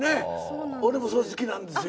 俺もそれ好きなんですよ。